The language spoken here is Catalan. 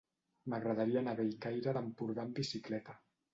M'agradaria anar a Bellcaire d'Empordà amb bicicleta.